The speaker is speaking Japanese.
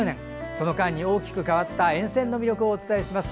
その間に大きく変わった沿線の魅力をお伝えします。